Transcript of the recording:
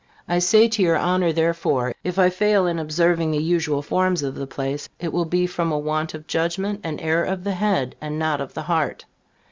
I say to your Honor, therefore, if I fail in observing the usual forms of the place, it will be from a want of judgment and error of the head, and not of the heart.